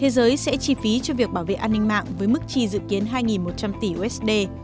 thế giới sẽ chi phí cho việc bảo vệ an ninh mạng với mức chi dự kiến hai một trăm linh tỷ usd